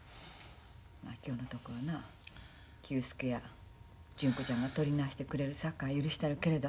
まあ今日のとこはな久助や純子ちゃんがとりなしてくれるさかい許したるけれど。